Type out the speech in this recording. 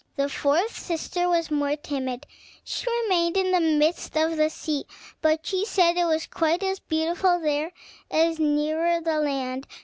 The fourth sister was more timid; she remained in the midst of the sea, but she said it was quite as beautiful there as nearer the land.